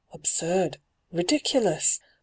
Absurd I Ridiculous !